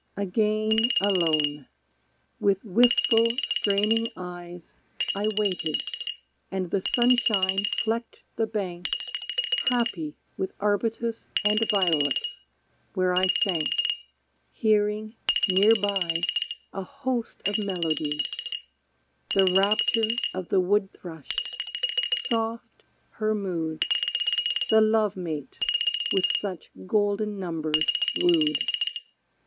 Again alone. With wistful, straining eyes I waited, and the sunshine flecked the bank Happy with arbutus and violets where I sank Hearing, near by, a host of melodies, The rapture of the woodthrush; soft her mood The love mate, with such golden numbers woo'd.